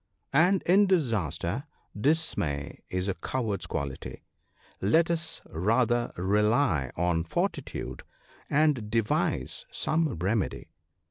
' And in disaster, dismay is a coward's quality ; let us rather rely on fortitude, and devise some remedy.